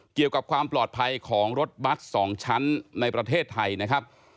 เกี่ยวกับความปลอดภัยของรถบัตร๒ชั้นในประเทศไทยนะครับ